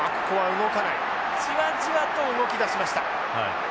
じわじわと動き出しました。